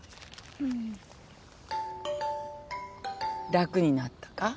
楽になったか？